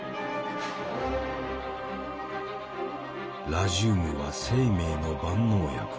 ラジウムは「生命の万能薬」